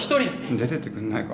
出ていってくんないか？